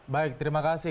baik terima kasih